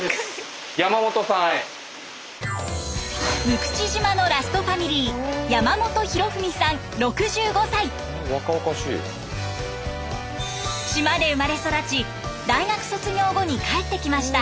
六口島のラストファミリー島で生まれ育ち大学卒業後に帰ってきました。